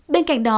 bên cạnh đó